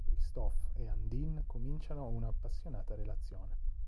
Christoph e Undine cominciano una appassionata relazione.